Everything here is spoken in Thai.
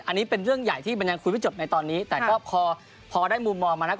อันนี้เป็นเรื่องใหญ่ที่มันยังคุยไม่จบในตอนนี้แต่ก็พอพอได้มุมมองมาแล้ว